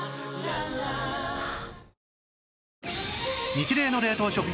ニチレイの冷凍食品